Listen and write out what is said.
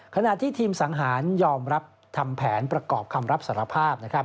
ขณะที่ทีมสังหารยอมรับทำแผนประกอบคำรับสารภาพ